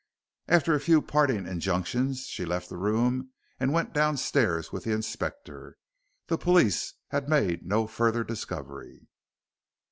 After a few parting injunctions she left the room and went downstairs with the Inspector. The police had made no further discovery.